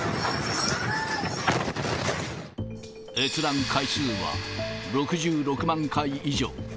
閲覧回数は６６万回以上。